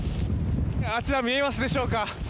あちら、見えますでしょうか。